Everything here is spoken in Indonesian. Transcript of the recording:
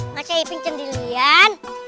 masih iping cendelian